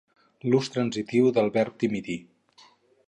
L'ús transitiu del verb "dimitir".